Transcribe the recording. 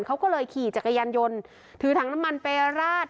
เขาก็เลยขี่จักรยานยนต์ถือถังน้ำมันไปราด